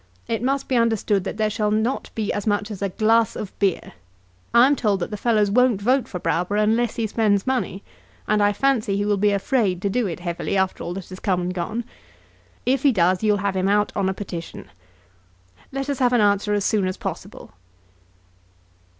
It must be understood that there shall not be as much as a glass of beer. I am told that the fellows won't vote for Browborough unless he spends money, and I fancy he will be afraid to do it heavily after all that has come and gone. If he does you'll have him out on a petition. Let us have an answer as soon as possible.